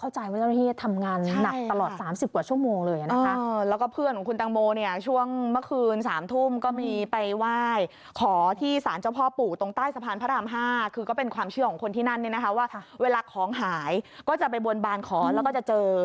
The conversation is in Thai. เชื่อของคนที่นั้นนะว่าเวลาของหายก็จะไปบนบานข้อแล้วก็จะเจอ